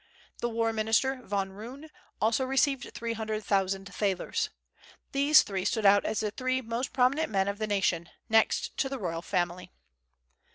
The war minister, Von Roon, also received three hundred thousand thalers. These three stood out as the three most prominent men of the nation, next to the royal family.